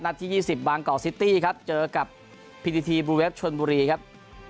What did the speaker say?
นัดที่ยี่สิบบางกอกซิตี้ครับเจอกับพีทีทีบรูเวฟชวนบุรีครับ